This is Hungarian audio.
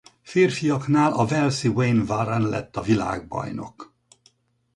A férfiknál a walesi Wayne Warren lett a világbajnok.